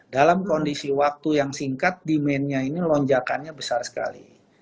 dalam kondisi waktu yang singkat demandnya ini lonjakannya besar sekali